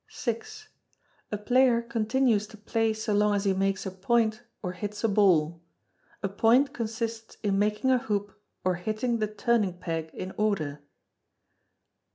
vi. A player continues to play so long as he makes a point or hits a ball. A point consists in making a hoop or hitting the turning peg in order.